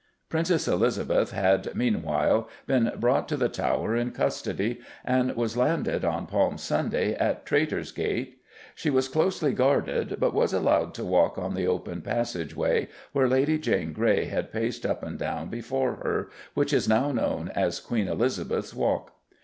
Princess Elizabeth had, meanwhile, been brought to the Tower in custody, and was landed, on Palm Sunday, at Traitor's Gate. She was closely guarded but was allowed to walk on the open passage way, where Lady Jane Grey had paced up and down before her, which is now known as "Queen Elizabeth's Walk."